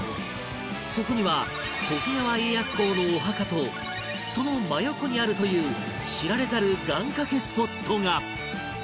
そこには徳川家康公のお墓とその真横にあるという知られざる願掛けスポットが